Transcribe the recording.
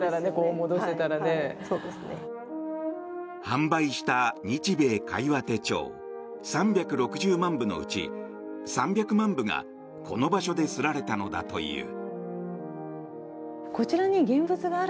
販売した「日米會話手帳」３６０万部のうち３００万部がこの場所で刷られたのだという。